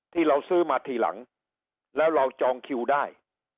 ที่เราซื้อมาทีหลังแล้วเราจองคิวได้